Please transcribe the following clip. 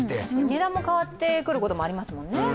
値段が変わってくることもありますもんね。